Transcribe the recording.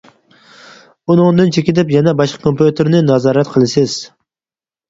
ئۇنىڭدىن چېكىنىپ يەنە باشقا كومپيۇتېرنى نازارەت قىلىسىز.